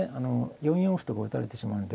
４四歩とか打たれてしまうんで。